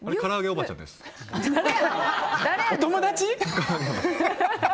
お友達？